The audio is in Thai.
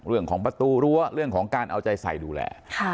เรื่องของประตูรั้วเรื่องของการเอาใจใส่ดูแล